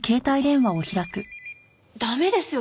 駄目ですよ